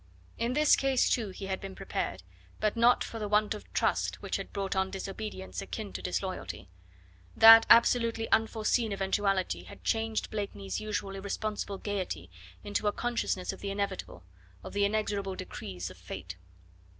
In this case, too, he had been prepared, but not for the want of trust which had brought on disobedience akin to disloyalty. That absolutely unforeseen eventuality had changed Blakeney's usual irresponsible gaiety into a consciousness of the inevitable, of the inexorable decrees of Fate.